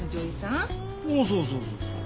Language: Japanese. そうそうそうそう。